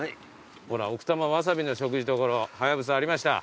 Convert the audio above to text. ほら「奥多摩わさびの食事処隼」ありました。